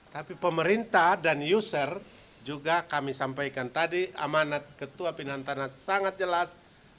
tapi pemerintah dan user juga kami sampaikan tadi amanat ketua pinang tanah sangat jelas